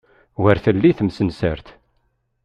Wer telli temsensert.